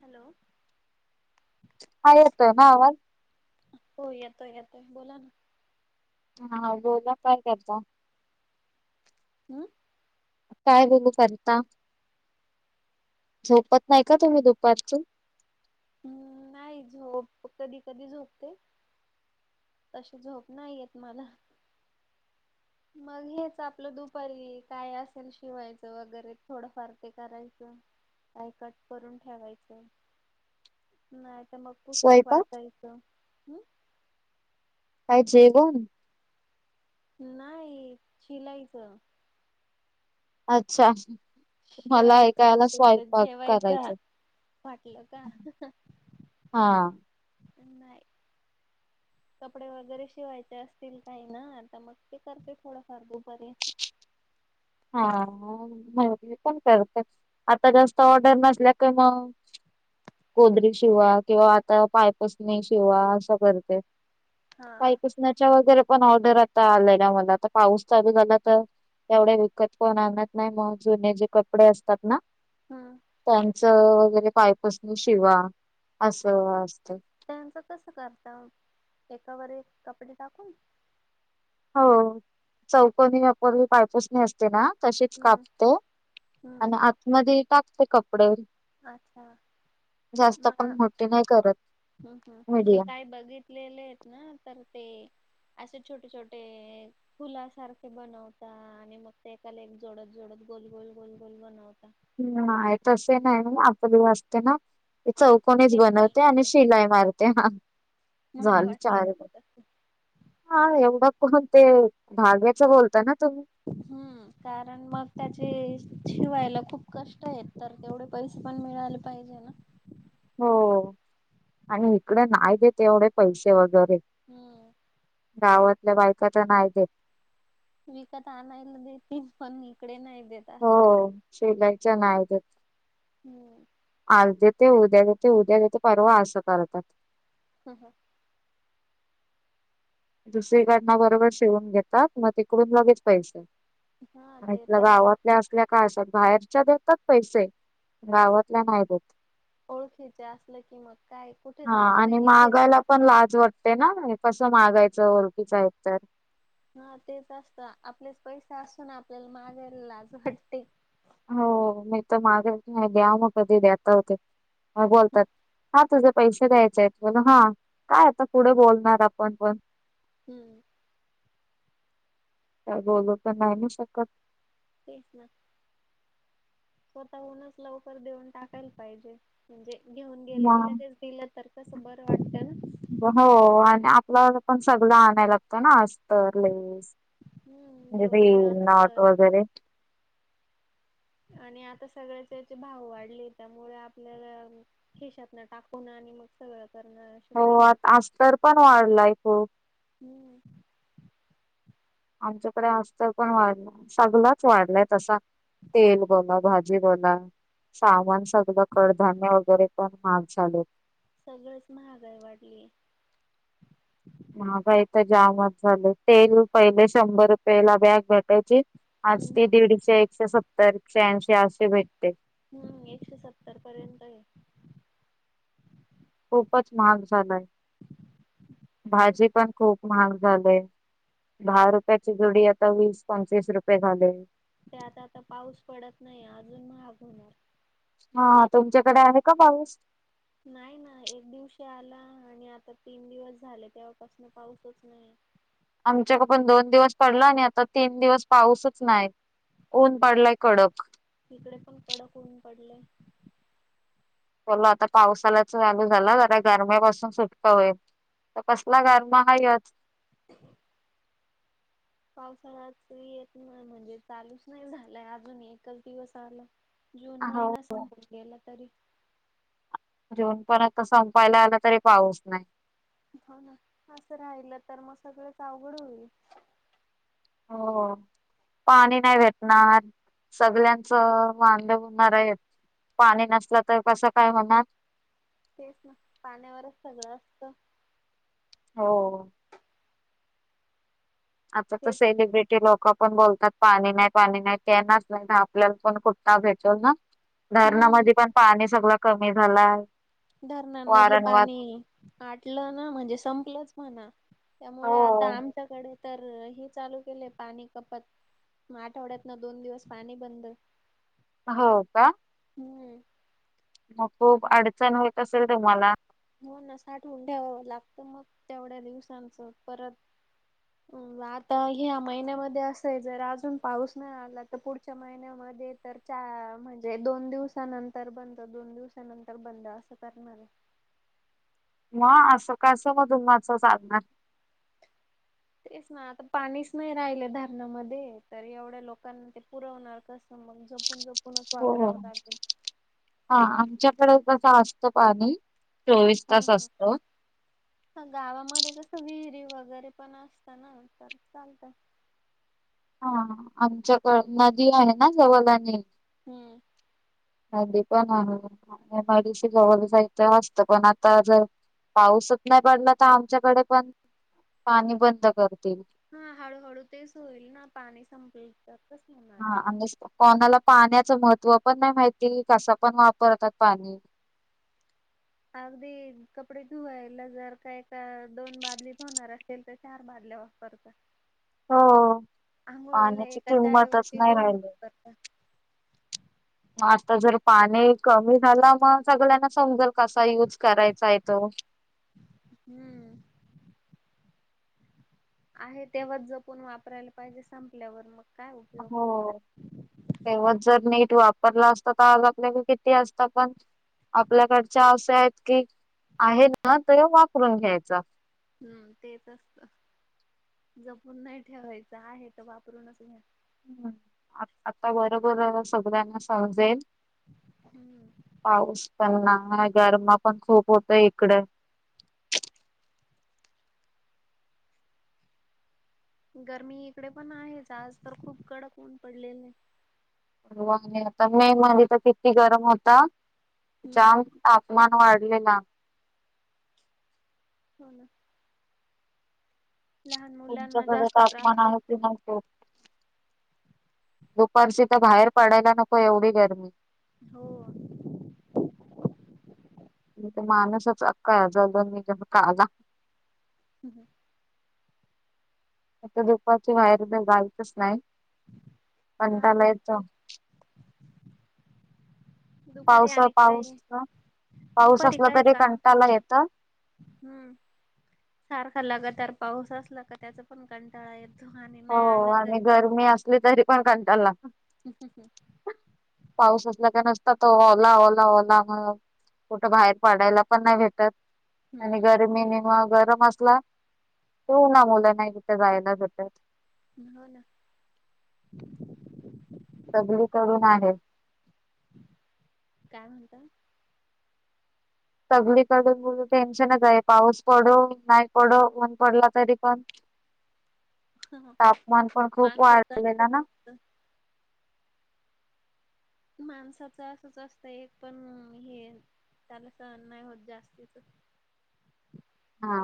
Hello. हा येतोय हा वा. हो येतोय येतोय बोला ना. हा बोल काय करता. हम. काय बोलू करता झोपत नाही का तुम्ही दुपारचीून हम्म नाही झोप कधी कधी झोपते. तशी झोप नाही येत मला मग हेच आपलं दुपारी काय असेल शिवायचं, वगैरे थोडंफार ते करायचं. काय कट करून ठेवायचं. नाही तर मग पुस्तक स्वयंपाक? वाचायचं. काय जेवण. नाही शिलाईचं. अच्छा. मला शिवायच ऐकायला फेर तर स्वयंपाक जेवायच. करायचं. वाटलं का हा नाही. कपडे वगैरे शिवायचे असतील काही ना आता मग ते करते थोडंफार दुपारी हा म्ह पण करते, आता जास्त ऑर्डर नसल्या का मग कोदरी शिवा किंवा आता पायपस नाही शिवा असं करते हा पायपस च्या वगैरे पण ऑर्डर आता आलाय ना मला आता पाऊस चालू झाला तर तेवढ्या त कोण आणत नाही मग जुने जे कपडे असतात ना. हम्म. त्यांचं वगैरे पायपसून शिवा असं असत. त्यांचं कस करता एकावर कपडे टाकून हो चौकोणी अपुरी पायपसणी असते. असते ना तशीच हम्म कापतो. हम्म आणि आतमधी टाकते कपडे अच्छा म जास्त पण मोठी नाही करत हम हम मी मीडियम. काय बघितलं. कापलेले आहेत ना तर ते असे छोटे छोटे फुलासारखे बनवता आणि मग ते एकाला एक जोडत जोडत गोल गोल गोलगोल बनवता. ह् आहे तसं नाही ना आप दि वा असते ना. असं चौकनेच सिम्पल बनवते आणि वाले शिलाई मारते हा मला झालं वाटलं चारज ते तसं. हा एवढं कोण ते भाग्याच बोलता ना तुम्ही हम्म कारण मग त्याचे शिवायला खूप कष्ट आहेत तर तेवढे पैसे पण मिळाला पाहिजे ना हो आणि इकडे नाही देत एवढे पैशे वगैरे हम गावातल्या बायका त नाय देत विकत आणायला देतील पण इकडे नाही देत असं हो शिलाईच्या नाय देत हम आज देते उद्या देते उद्या देते परवा अस करतात हा, हा दुसरीकडन बरोबर शिवून घेतात म तिकडून लगेच पैसे हा ह्या ते हितल्या तर आहे गावातल्या असल्या का आशा बाहेरच्या देतात पैसे गावातल्या नाही देत ओळखीच्या असल की मग काय कुठे हा जाणार आहे आणि इथेच मागायला पण लाज वाटते ना कसं मागायचं ओळखीच आहेत तर हा तेच असतं आपलेच पैसे असून आपल्याला मागायला लाज वाटते हो मी तर मागताच नाही द्या म कधी देताव ते म बोलतात हा तुझं पैसे द्यायचे आहेत होना हा काय आता पुढे बोलणार आपण पण हम काय बोलू पण नाही ना शकत तेच ना स्वतःहूनच लवकर देऊन टाकायला पाहिजे म्हणजे घेऊन गेले मग. लगेच दिलं तर कसं बरं वाटत ना हो आणि आपल्याला पण सगळ आणायला लागतं ना अस्तर, लेस हम्म दोरे रिबीन, नॉट अस्तर वगैरे आणि आता सगळ्याचे हेचे भाव वाढले त्यामुळे आपल्याला खीशातन टाकून आणि मग सगळं करणं हो शक्य नाही. आता अस्तर पण वाढलाय खूप हम आमच्याकडे अस्तर पण वाढलं सगळंच वाढलाय तसा तेल बोला भाजी बोला सामान सगळं कडधान्य वगैरे पण महाग झालेत सगळच महागाई वाढलीय महागाई तर जामच झालीय तेल पहिले शंभर रूपयेला बॅग भेटा यची आज हम्म. ती दीडशे, एकशे सत्तर, एकशे ऐंशी अशीे भेटते हम एकशे सत्तर पर्यंत आहे खूपच महाग झालय, भाजी पण खूप महाग झालय दहा रुपयाची जुडी आता वीस पंचवीस रुपये झालीय त्यात आता पाऊस पडत नाही अजून महाग होणार हा तुमच्याकडे आहे का पाऊस नाही ना एक दिवशी आला आणि आता तीन दिवस झाले तेव्हापासन पाऊसच नाय आमच्याकडे पण दोन दिवस पडला आणि आता तीन दिवस पाऊसच नाही ऊन पडलय कडक इकडे पण कडक ऊन पडलंय बोल आता पावसालाच चालू झाला जरा गरमीपासून सुटका होईल तर कसला गरम आहेत [inaudible] पावसाळ्यात येत नाय म्हणजे चालूच नाही झालंय अजून एकच दिवस आला जून हो महिना संपून गेला तरी जून पण आता संपायला आला, तरी पाऊस नाय. होना असं राहिलं तर म सगळंच अवघड होईल. हो. पाणी नाही भेटणार, सगळ्यांचं वांद हुनार येत. पाणी नसलं तर कसं काय होणार? तेच ना पाण्यावरच सगळं असतं. हो. आता तर शेत सेलिब्रिटी लोक पण बोलतात पाणी नाही, पाणी नाही तेनाच नाही तर आपल्याला पण [unintelligible] भेटल ना. हम्म धरणामध्ये पण पाणी सगळ कमी झालाय. धरणांमधल वारंवार पाणी आटलं ना, म्हणजे संपलंच म्हणा. त्यामुळे आता हो आमच्याकडे तर हे चालू केलय पाणी कपात. मग आठवड्यातन दोन दिवस पाणी बंद. हो का? हम्. मग खूप अडचण होत असेल तुम्हाला? हो ना साठवून ठेवावं लागतं, मग तेवढ्या दिवसांचं परत [inaudible] आता ह्या महिन्यामध्ये असये, जर अजून पाऊस नाही आला तर पुढच्या महिन्यामध्ये तर चा म्हणजे दोन दिवसानंतर बंद, दोन दिवसानंतर बंद असं करणार आहे. म असं कासं मधून माझं साधणार? तेच ना आता पाणीच नाही राहिलं, धरणामध्ये तर एवढ्या लोकांना ते पुरवणार कस? मग जपूण जपू हो हो आमच्याकड तस असत पाणी. चोवीस हम तास हम. असतं ह गावामध्ये कसं विहिरी वगैरे पण असतं ना, तर चालतय. हा आमच्याक नदी आहे ना जवळ आणि हम्म. [unintelligible] हदी पण आहे मडीशी जवळ जायचं वात पण [unintelligible] आता जर [unintelligible] पाऊसच नाही पडला, तर आमच्याकडे पण पाणी बंद करतील. हम हळूहळू तेच होईल ना, पाणी संपल तस [unintelligible] हा आणि कोणाला पाण्याचं महत्त्व पण नाही माहिती, कस पण वापरतात पाणी. अगदी कपडे धुवायला जर काय का दोन बादली होणार अस सेल तर चार बादल्या वापरता. हो पाण्याची एकाच्या किंमतच ऐवजी नाही दोन राहिली. वापरतात. म आता जर पाणी कमी झाला, मग सगळ्यांना समजल. कसा युज करायचा? आहे तो हम्म. आहे तेव्हाच जपून वापरायला पाहिजे, संपल्यावर मग काय उपयोग. हो. तेव्हाच जर नीट वापरलं असत, तर आज आपल्याक किती असतं पण आपल्याकडच्या अस आहेत कि, आहे ना तर वापरून घ्यायचा. हम्म तेच असत, जपून नाही ठेवायचं, आहे तर वापरूनच घ्या. हम् आता बरोबर सगळ्यांना समजेल हम्म. पाऊस पडला नाय, गरम पण खूप होतय इकड. गरमी इकडे पण आहेच, आज तर खूप कडक ऊन पडलेलय. मोस्टली मे मध्ये तर किती गरम होत? त्याच्या हम्म. तापमान वाढलेला हो ना लहान मुलांना तुमच्याकडे जास्त तापमान त्रास होतो. आहे कि नाही? खूप दुपारची तर बाहेर पडायला नको एवढी गरमी. हो माणूसच अक्का [unintelligible] या ज दो म जे काला हम्म आता दुपारची बाहेर तर जायचच नाही. हा कंटाला येतो दुपारी दुपारी पावस आणि काय पाऊस पाऊस दुपारी असला काय तरी काम पण कंटाला नाही. येत हो हम्म सारखा लागदार तर पाऊस असला का त्याच पण कंटाळा येतो आणि नाही आलं तरी पण मी असले तरी पण कंटालला. ह [inaudible] पाऊस असला का नसता तो ओला ओला ओला कुठं बाहेर पाडायला पण नाही भेटत आणि हम्म. गरमीने गरम अस हो ना ऊण्हामुळ नाही तिथं जायला जमतं. हो ना सगली करुन आहेत काय म्हणता? सगळीकडून टेन्शनच आहे पाऊस पडो नाही पडो नाही पडला तरी पण तापमान पण खूप वाढले ना. ह [inaudible] माणसाच असच असतं एक पण हे त्याला सहन नाही होत जास्तीच. हा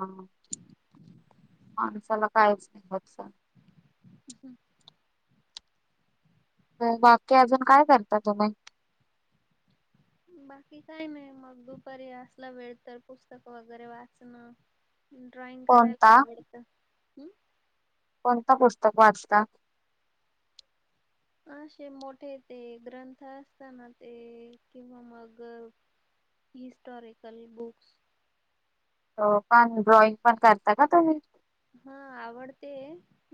माणसाला काहीच नाही ह [inaudible] बाकी अजून काय करता तुम्ही? बाकी काही नाही मग दुपारी असला वेळ तर पुस्तक वगैरे वाचणं. ड्रॉइंग करायला कोणता आवडतं. कोणता पुस्तक वाचता? असे मोठे ते ग्रंथ असताना ते किंवा मग हिस्टॉरिकल बुक्स [unintelligible] पण ड्रॉइंग पण करता का तुम्ही? हा आवडते.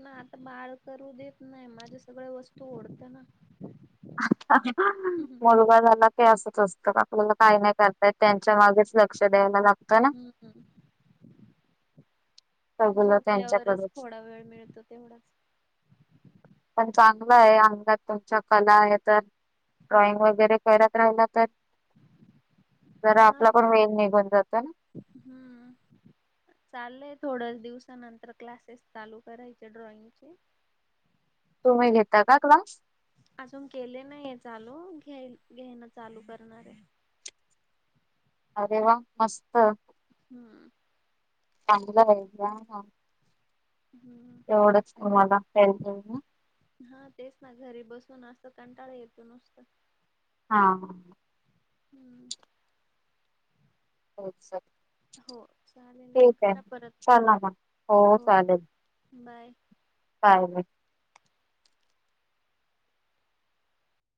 ना आता बाळ करू देत नाही माझ्या सगळ वस्तू ओढत ना. हम्म मुलगा झाला की असच असतं आपल्याला काही नाही करता तर त्यांच्या मागेच लक्ष द्यायला लागतं ना. ह सगळं झोपल्यावरच त्यांच्याकडेच थोडा वेळ मिळतो तेवढाच. पण चांगलं आहे अंगात तुमच्या कला आहे तर ड्रॉइंग वगैरे करत राहिला तर जरा हा आपला पण वेळ निघून जातो ना. हम्म चालय थोड्या दिवसानंतर क्लासेस चालू करायचे ड्रॉइंगचे. तुम्ही घेता का क्लास? अजून केले नाहीये चालू घ घेणं चालू करणारे. अरे वा मस्त हम्म चांगला आहे हां हम्म एवढंच तुम्हाला [unintelligible] हा तेच ना घरी बसून असं कंटाळा येतो नुसतं. हा ह. हम्म! हो सर. हो चालेल करा परत, चला मग हो चालेल बाय! [unintelligible]